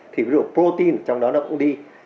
thì protein trong đó nó cũng đi